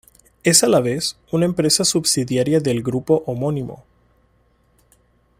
Es a la vez, una empresa subsidiaria del grupo homónimo.